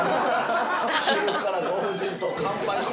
昼からご夫人と乾杯して。